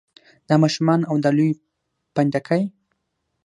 دا ماشومان او دا لوی پنډکی.